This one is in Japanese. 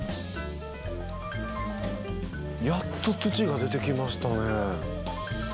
やっと土が出てきましたね。